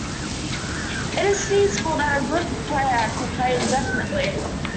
It is feasible that a good player could play indefinitely.